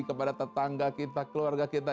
kepada tetangga kita keluarga kita